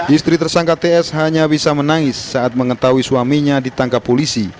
istri tersangka ts hanya bisa menangis saat mengetahui suaminya ditangkap polisi